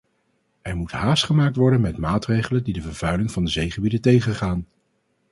Er moet haast gemaakt worden met maatregelen die de vervuiling van de zeegebieden tegengaan.